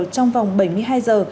trong vòng bảy mươi hai giờ